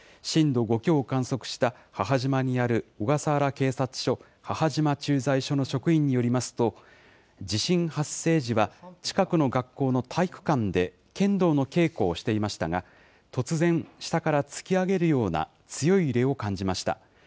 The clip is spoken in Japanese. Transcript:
震度５強を観測した母島にある小笠原警察署母島駐在所の職員によりますと、地震発生時は、近くの学校の体育館で剣道の稽古をしていましたが、突然、下から突き上げるような強い揺れを感じました。